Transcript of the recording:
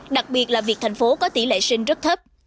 đặc biệt là việc thành phố có tỷ lệ sinh rất thấp